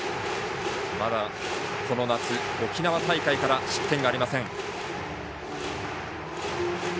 この夏、沖縄大会から失点がありません。